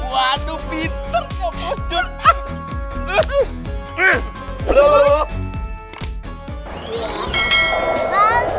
waduh pinter kok bos jun